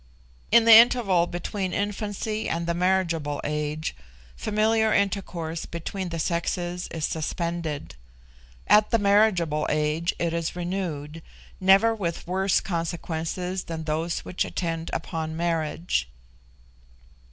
In the interval between infancy and the marriageable age familiar intercourse between the sexes is suspended. At the marriageable age it is renewed, never with worse consequences than those which attend upon marriage.